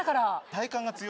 体幹が強い？